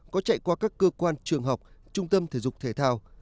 có chạy qua các cơ quan trường học trung tâm thể dục thể thao